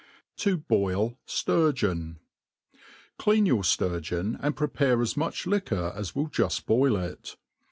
To boil Sturgeon* CLEAN your fturgeon, and prepare as much liquor as will juft boil it.